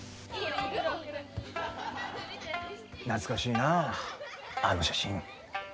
懐かしいなあの写真。